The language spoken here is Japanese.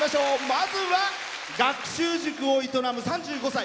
まずは学習塾を営む３５歳。